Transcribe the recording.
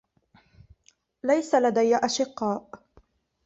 ليس لدي أشقاء.